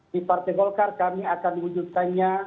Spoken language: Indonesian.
di partai golkar kami akan mewujudkannya